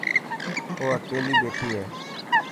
او اڪيلي ٻيٺي هي.